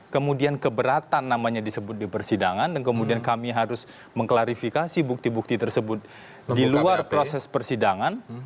kemudian keberatan namanya disebut di persidangan dan kemudian kami harus mengklarifikasi bukti bukti tersebut di luar proses persidangan